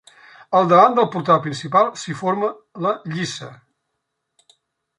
Al davant del portal principal s'hi forma la lliça.